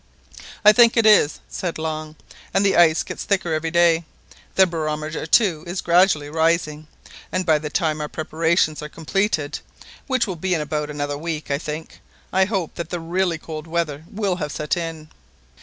"I think it is," said Long, "and the ice gets thicker every day. The barometer, too, is gradually rising, and by the time our preparations are completed, which will be in about another week, I think, I hope that the really cold weather will have set in."